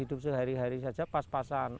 hidup sehari hari saja pas pasan